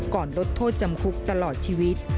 ลดโทษจำคุกตลอดชีวิต